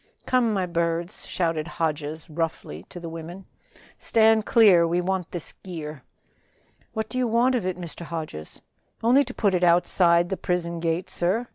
"Come, my birds," shouted Hodges roughly to the women. "Stand clear, we want this gear." "What do you want of it, Mr. Hodges?" "Only to put it outside the prison gate, sir.